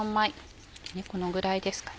このぐらいですかね。